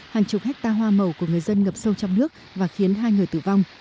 hàng chục hectare hoa màu của người dân ngập sâu trong nước và khiến hai người tử vong